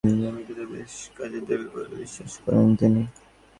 তবে প্রশিক্ষণ থেকে অর্জিত অভিজ্ঞতা বেশ কাজে দেবেন বলে বিশ্বাস করেন তিনি।